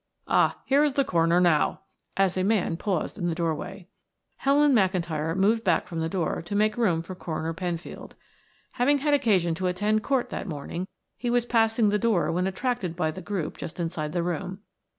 Ah, here is the coroner now," as a man paused in the doorway. Helen McIntyre moved back from the door to make room for Coroner Penfield. Having had occasion to attend court that morning, he was passing the door when attracted by the group just inside the room.